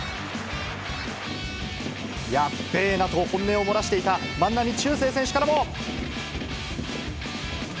やっべぇなと本音を漏らしていた万波中正選手からも。